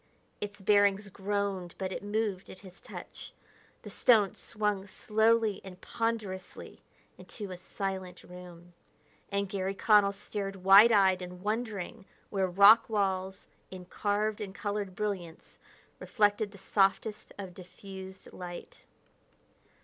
Its bearings groaned, but it moved at his touch. The stone swung slowly and ponderously into a silent room, and Garry Connell stared wide eyed and wondering where rock walls, in carved and colored brilliance reflected the softest of diffused light.